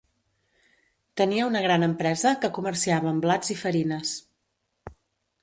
Tenia una gran empresa que comerciava amb blats i farines.